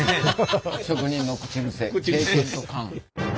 職人の口癖経験と勘。